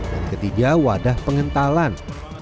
dan ketiga wadah pengentalan